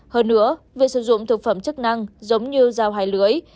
hơn nữa về sử dụng thực phẩm chức năng giống như dao hải lưỡi